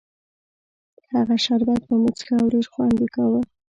هغه شربت به مو څښه او ډېر خوند یې کاوه.